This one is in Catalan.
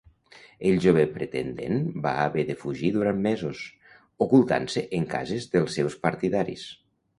El jove pretendent va haver de fugir durant mesos, ocultant-se en cases dels seus partidaris.